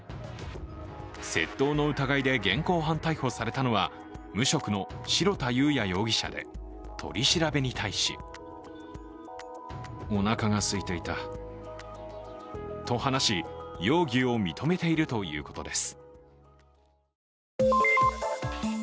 窃盗の疑いで現行犯逮捕されたのは、無職の白田佑哉容疑者で取り調べに対しと話し、容疑を認めているということです。